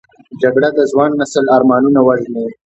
جګړه د ځوان نسل ارمانونه وژني